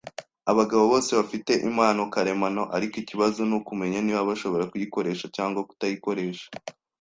Abagabo bose bafite impano karemano, ariko ikibazo nukumenya niba bashobora kuyikoresha cyangwa kutayikoresha.